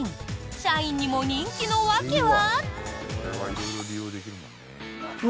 社員にも人気の訳は？